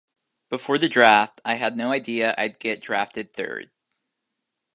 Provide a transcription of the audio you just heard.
Before the draft, I had no idea I'd get drafted third.